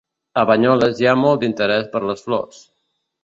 A Banyoles hi ha molt d'interès per les flors.